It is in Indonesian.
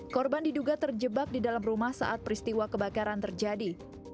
korban diduga terjebak di dalam rumah saat peristiwa kebakaran terjadi